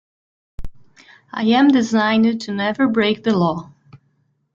I am designed to never break the law.